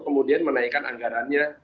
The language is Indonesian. kemudian menaikkan anggarannya